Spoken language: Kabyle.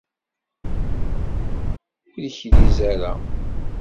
Ur ikriz ara